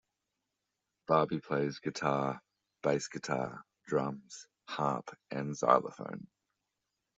Barbee plays guitar, bass guitar, drums, harp and xylophone.